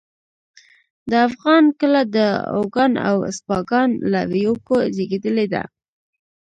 د افغان کله د اوگان او اسپاگان له ويوکو زېږېدلې ده